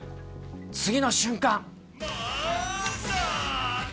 次の瞬間。